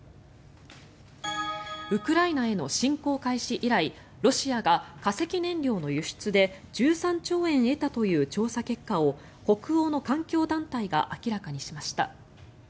ウクライナへの侵攻開始以来ロシアが化石燃料の輸出で１３兆円得たという調査結果を北欧の環境団体が明らかにしました。